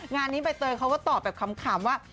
งานนี้ใบเตยเขาก็ตอบแบบขำว่า